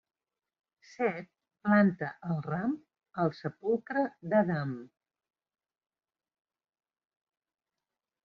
Set planta el ram al sepulcre d'Adam.